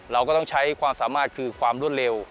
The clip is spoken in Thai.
เราก็ต้องใช้ความสามารถคือความรวดเร็ว